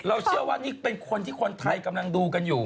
เชื่อว่านี่เป็นคนที่คนไทยกำลังดูกันอยู่